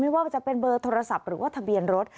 ไม่ว่าจะเป็นเบอร์โทรศัพท์หรือว่าทะเบียนรถ